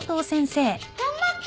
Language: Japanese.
頑張った。